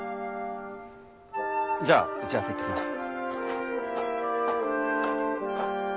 じゃあ打ち合わせ行ってきます。